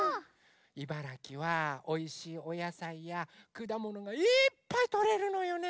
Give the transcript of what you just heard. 茨城はおいしいおやさいやくだものがいっぱいとれるのよね！